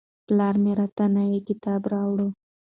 پلار مې راته نوی کتاب راوړ.